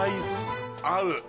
合う！